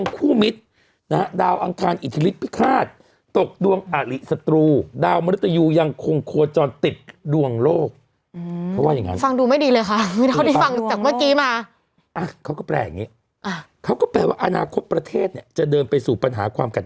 เขาก็แปลแบบนี้เขาก็แปลว่าอาณาคมประเทศเนี่ยจะเดินไปสู่ปัญหาความกัด